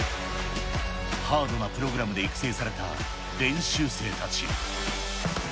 ハードなプログラムで育成された練習生たち。